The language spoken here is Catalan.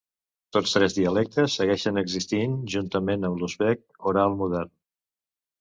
Tots tres dialectes segueixen existint juntament amb l'uzbek oral modern.